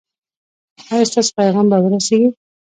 ایا ستاسو پیغام به ورسیږي؟